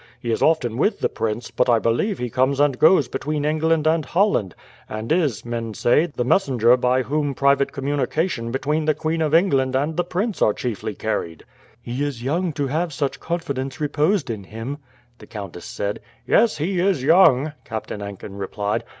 He is often with the prince, but I believe he comes and goes between England and Holland, and is, men say, the messenger by whom private communications between the queen of England and the prince are chiefly carried." "He is young to have such confidence reposed in him," the countess said. "Yes, he is young," Captain Enkin replied.